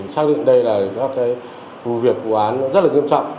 xác định đây là các vụ việc của quán rất là nghiêm trọng